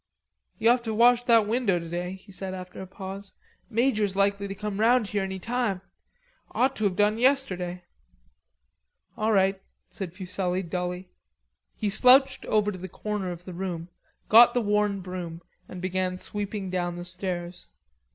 "Ye'll have to wash that window today," he said after a pause. "Major's likely to come round here any time.... Ought to have been done yesterday." "All right," said Fuselli dully. He slouched over to the corner of the room, got the worn broom and began sweeping down the stairs.